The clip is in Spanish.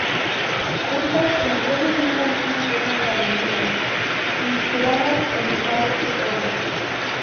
Juntas emprenden un camino lleno de aventuras, inspiradas en Alex Rover.